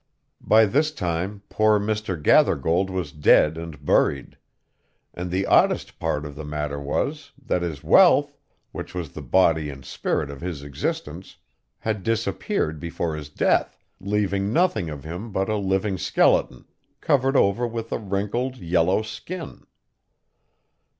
By this time poor Mr. Gathergold was dead and buried; and the oddest part of the matter was, that his wealth, which was the body and spirit of his existence, had disappeared before his death, leaving nothing of him but a living skeleton, covered over with a wrinkled, yellow skin.